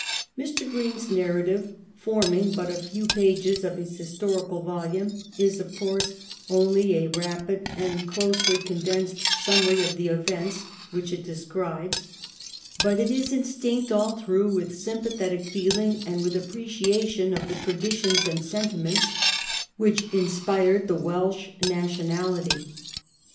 Mr. Green's narrative, forming but a few pages of his historical volume, is of course only a rapid and closely condensed summary of the events which it describes ; but it is instinct all through with sympathetic feeling and with appreciation of the traditions and sentiments which inspired the Welsh nationality.